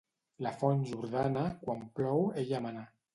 La font Jordana, quan plou, ella mana.